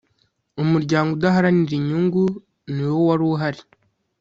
umuryango udaharanira inyungu niwowaruhari`